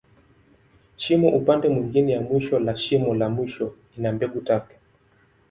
Shimo upande mwingine ya mwisho la shimo la mwisho, ina mbegu tatu.